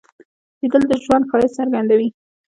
لیدل د ژوند ښایست څرګندوي